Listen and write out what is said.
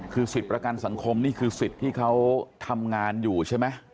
คือสิทธิ์ประกันสังคมนี่คือสิทธิ์ที่เขาทำงานอยู่ใช่ไหม